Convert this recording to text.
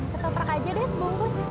tetap rek aja deh sebungkus